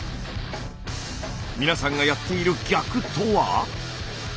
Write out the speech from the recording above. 皆さんがやっている「逆」とは？